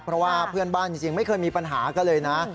เพราะว่าเพื่อนบ้านจริงไม่เคยมีปัญหากันเลยนะ